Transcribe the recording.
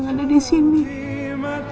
kamu bisa semuaubsi mas